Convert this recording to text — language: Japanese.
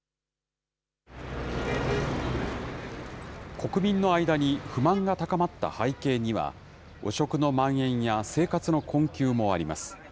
国民の間に不満が高まった背景には、汚職のまん延や生活の困窮もあります。